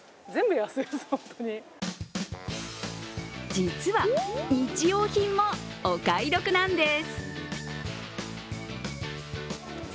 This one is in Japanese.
実は日用品もお買い得なんです。